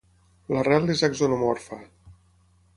La rel és axonomorfa.